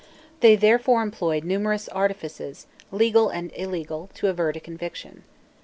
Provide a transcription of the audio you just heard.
They therefore employed numerous artifices, legal and illegal, to avert a conviction.